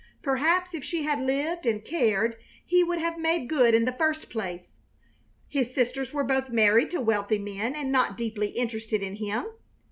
Perhaps if she had lived and cared he would have made good in the first place. His sisters were both married to wealthy men and not deeply interested in him.